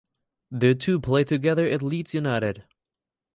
The two played together at Leeds United.